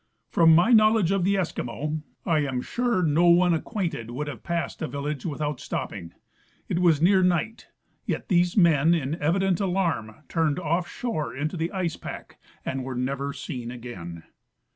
From my knowledge of the Eskimo, I am 80 A. W. Greek/ — An Undiscovered Island. sure no one acquainted would have passed a village without stopping. It was near night, yet these men in evident alarm turned off shore into the ice pack and were never seen again.